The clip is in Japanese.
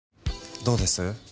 どうです？